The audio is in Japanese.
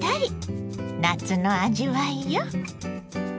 夏の味わいよ。